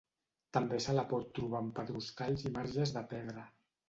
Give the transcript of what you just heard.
També se la pot trobar en pedruscalls i marges de pedra.